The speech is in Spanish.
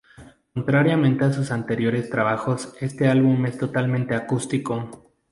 Contrariamente a sus anteriores trabajos, este álbum es totalmente acústico.